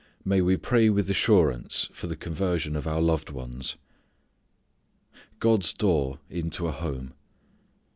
May we Pray With Assurance for the Conversion of Our Loved Ones God's Door into a Home.